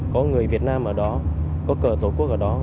có người việt nam ở đó có cờ tổ quốc ở đó